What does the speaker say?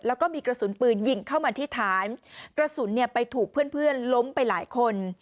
แล้วก็มีกระสุนปืนยิงเข้ามาที่ฐานกระสุนเนี่ยไปถูกเพื่อนเพื่อนล้มไปหลายคน